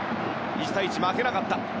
１対１負けなかった。